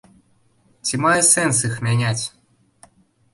Ці мае сэнс іх мяняць?